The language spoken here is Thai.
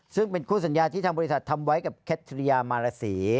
ซึ่งเป็นคู่สัญญาที่ทางบริษัททำไว้กับแคทริยามารสี